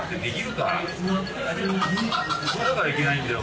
それだからいけないんだよ